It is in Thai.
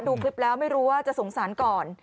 ดูคลิปแล้วไม่รู้ว่าจะสงสารก่อน